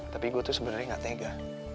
tapi gue tuh sebenarnya gak tega